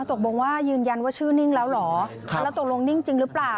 ตกลงว่ายืนยันว่าชื่อนิ่งแล้วเหรอแล้วตกลงนิ่งจริงหรือเปล่า